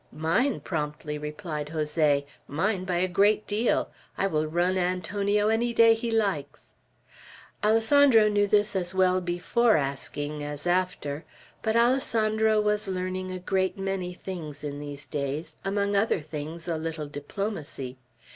"Mine," promptly replied Jose. "Mine, by a great deal. I will run Antonio any day he likes." Alessandro knew this as well before asking as after. But Alessandro was learning a great many things in these days, among other things a little diplomacy.